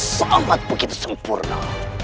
sangat begitu sempurna